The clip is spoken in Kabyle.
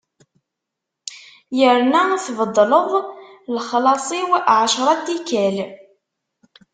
Yerna tbeddleḍ lexlaṣ-iw ɛecṛa n tikkal.